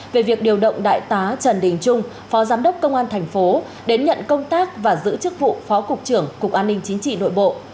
về việc điều động đại tá trần đình trung phó giám đốc công an thành phố đến nhận công tác và giữ chức vụ phó cục trưởng cục an ninh chính trị nội bộ